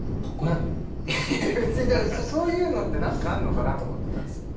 だからそういうのって何かあんのかなと思ってたんですよ。